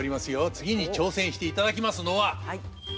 次に挑戦していただきますのは狂言です。